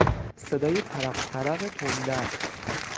صدای ترق ترق تندر